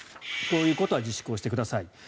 こういうことは自粛をしてください。